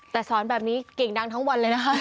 แต่สอนแบบนี้เก่งดังทั้งวันเลยนะคะ